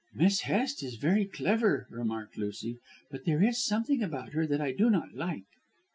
"Miss Hest is very clever," remarked Lucy, "but there is something about her that I do not like."